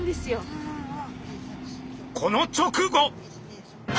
この直後！